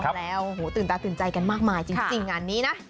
ถูกต้องแล้วโหตื่นตาตื่นใจกันมากมายจริงอันนี้นะ